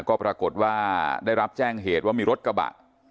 ก็ปรากฏว่าได้รับแจ้งเหตุว่ามีรถกระบะ